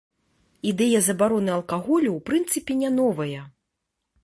Ідэя забароны алкаголю ў прынцыпе не новая.